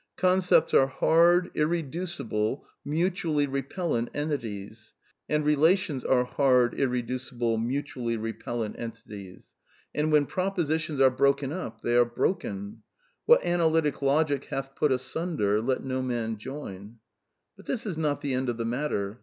Concepts are L hard, irreducible, mutually repellent entities, and relations I are hard, irreducible, mutually repellent entities ; and when f propositions are broken up they are broken. What ana lytic logic hath put asunder, let no man join. But this is not the end of the matter.